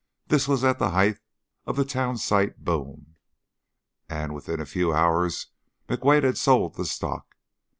This was at the height of the town site boom, and within a few hours McWade had sold the stock.